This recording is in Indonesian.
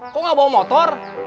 kenapa tidak bawa motor